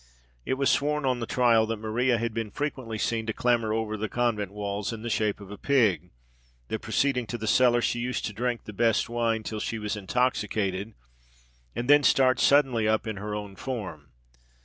It was sworn on the trial that Maria had been frequently seen to clamber over the convent walls in the shape of a pig that, proceeding to the cellar, she used to drink the best wine till she was intoxicated; and then start suddenly up in her own form.